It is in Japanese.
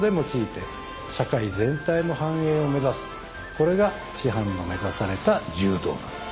これが師範の目指された柔道なんです。